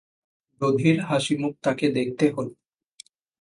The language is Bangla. দধির হাসিমুখ তাকে দেখতে হল।